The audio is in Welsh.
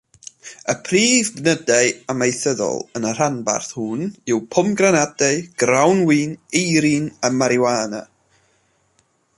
Y prif gnydau amaethyddol yn y rhanbarth hwn yw pomgranadau, grawnwin, eirin a mariwana.